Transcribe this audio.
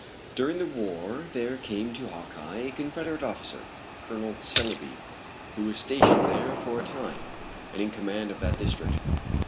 During the war there came to Hawkeye a confederate officer, Col. Selby, who was stationed there for a time, in command of that district.